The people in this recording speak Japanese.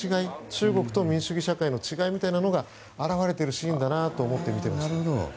中国と民主主義社会の違いみたいなのが現れているシーンだなと思って見ていました。